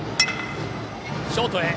ショートへ。